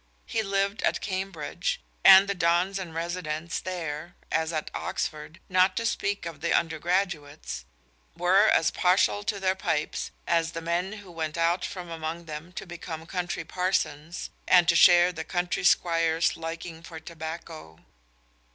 He lived at Cambridge, and the dons and residents there (as at Oxford), not to speak of the undergraduates, were as partial to their pipes as the men who went out from among them to become country parsons, and to share the country squire's liking for tobacco.